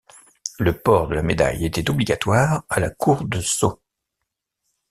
Le port de la médaille était obligatoire à la cour de Sceaux.